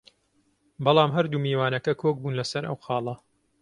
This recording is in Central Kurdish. بەڵام هەردوو میوانەکە کۆک بوون لەسەر ئەو خاڵە